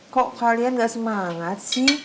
kok kalian gak semangat sih